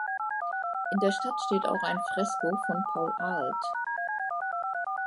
In der Stadt steht auch ein Fresko von Paul Arlt.